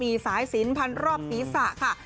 มีสายสินพันรอบศีรษะค่ะ